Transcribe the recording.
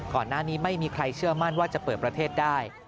ก่อนหน้านี้ไม่มีใครเชื่อมั่นว่าจะเปิดประเทศได้